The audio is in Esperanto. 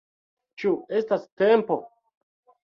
Ĉu estas tempo?